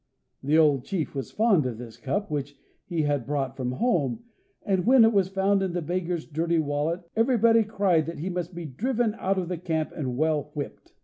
The old chief was fond of this cup, which he had brought from home, and, when it was found in the beggar's dirty wallet, everybody cried that he must be driven out of the camp and well whipped.